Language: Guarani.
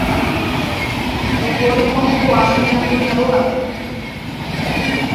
Ndaipóri og̃uahẽkuaáva Ña Antonia rógape.